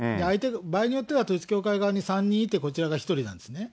場合によっては統一教会側に３人いてこちらが１人なんですね。